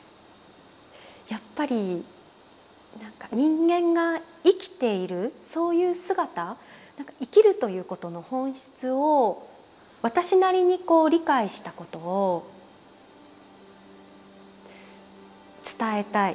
やっぱり人間が生きているそういう姿生きるということの本質を私なりに理解したことを伝えたい。